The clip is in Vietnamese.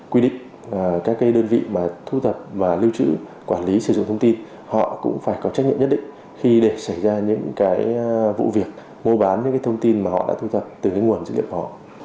quy định các đơn vị thu thập và lưu trữ quản lý sử dụng thông tin họ cũng phải có trách nhiệm nhất định khi để xảy ra những vụ việc mô bán những thông tin mà họ đã thu thập từ nguồn dữ liệu của họ